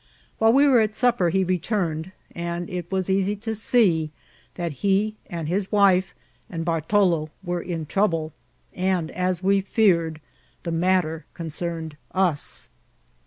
While we were at supper he retomed, and it was easy to see that he, and his wife, and Bertalo were in trou ble, and, as we feared, the matter oonoemed ns.